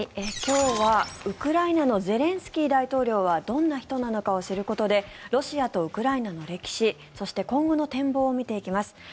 今日はウクライナのゼレンスキー大統領はどんな人なのかを知ることでロシアとウクライナの歴史そして、今後の展望を見ていきます。